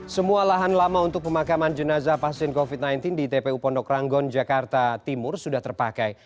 semua lahan lama untuk pemakaman jenazah pasien covid sembilan belas di tpu pondok ranggon jakarta timur sudah terpakai